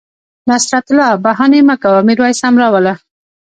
نصرت الله بهاني مه کوه میرویس هم را وله